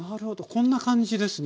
こんな感じですね